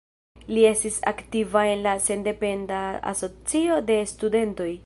Li estis aktiva en la Sendependa Asocio de Studentoj.